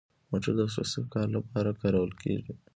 موټر د شخصي کار لپاره کارول کیږي؟